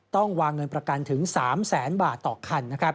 ต้องวางเงินประกันถึง๓แสนบาทต่อคัน